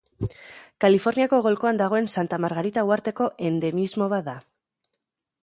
Kaliforniako golkoan dagoen Santa Margarita uharteko endemismo bat da.